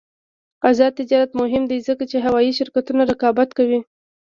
آزاد تجارت مهم دی ځکه چې هوايي شرکتونه رقابت کوي.